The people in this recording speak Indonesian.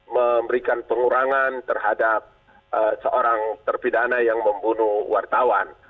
memberikan pengurangan terhadap seorang terpidana yang membunuh wartawan